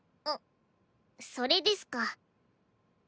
んっそれですか。